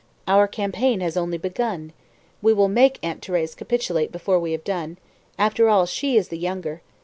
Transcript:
"Our campaign has only begun. We will make Aunt Thérèse capitulate before we have done. After all, she is the younger.